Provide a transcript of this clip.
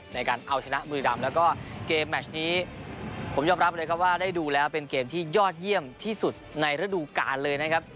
ในการเอาชนะมือดำแล้วก็เกมแมชนี้ผมยอมรับเลยครับว่าได้ดูแล้วเป็นเกมที่ยอดเยี่ยมที่สุดในฤดูกาลเลยนะครับ